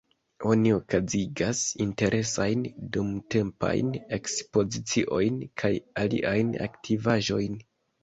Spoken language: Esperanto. Oni okazigas interesajn dumtempajn ekspoziciojn kaj aliajn aktivaĵojn.